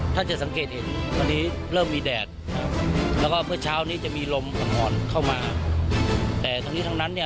ท่านจะสังเกตเห็นวันนี้เริ่มมีแดดครับแล้วก็เมื่อเช้านี้จะมีลมอ่อนเข้ามาแต่ทั้งนี้ทั้งนั้นเนี่ย